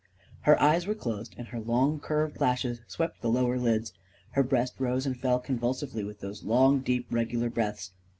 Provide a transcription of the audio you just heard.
Her eyes were closed, and her long, curved lashes swept the lower lids. Her breast rose and fell convulsively with those long, deep, regular breaths.